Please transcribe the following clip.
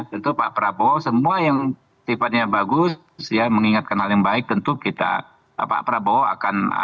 tentu pak prabowo semua yang sifatnya bagus ya mengingatkan hal yang baik tentu kita pak prabowo akan